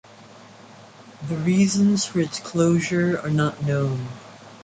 The reasons for its closure are not known.